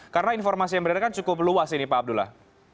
karena informasi yang berada kan cukup luas ini pak abdullah